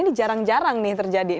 ini jarang jarang nih terjadi